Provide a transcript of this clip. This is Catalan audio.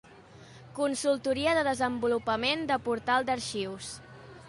Consultoria de desenvolupament de Portal d'Arxius.